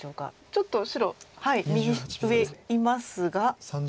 ちょっと白右上いますが。